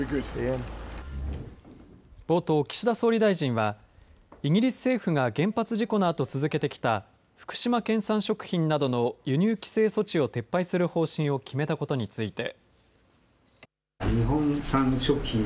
冒頭、岸田総理大臣はイギリス政府が原発事故のあと続けてきた福島県産食品などの輸入規制措置を撤廃する方針を決めたことについて。